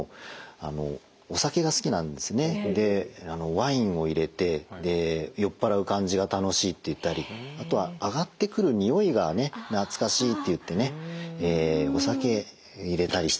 ワインを入れて酔っ払う感じが楽しいって言ったりあとは上がってくる匂いが懐かしいって言ってねお酒入れたりしてますね。